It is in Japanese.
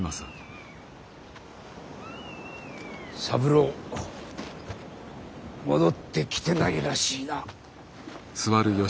三郎戻ってきてないらしいな。